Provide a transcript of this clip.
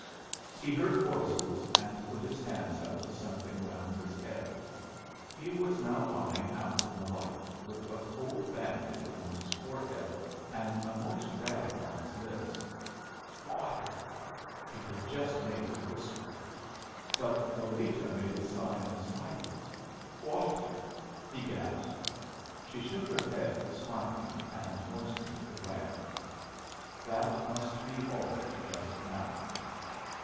He heard voices, and put his hands up to something round his head. He was now lying out in the light, with a cold bandage round his forehead, and a moist rag on his lips. "Water!" He could just make the whisper. But Lolita made a sign of silence. "Water!" he gasped. She shook her head, smiling, and moistened the rag. That must be all just now.